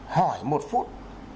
hỏi một phút